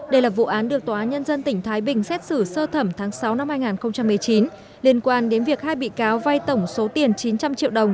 đây là vụ án được tòa án nhân dân tỉnh thái bình xét xử sơ thẩm tháng sáu năm hai nghìn một mươi chín liên quan đến việc hai bị cáo vai tổng số tiền chín trăm linh triệu đồng